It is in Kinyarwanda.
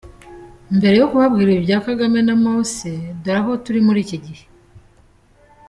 Mbere yo kubabwira ibya Kagame na Mose dore aho turi muri iki gihe:.